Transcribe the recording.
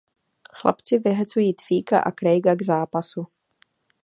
Chlapci vyhecují Tweeka a Craiga k zápasu.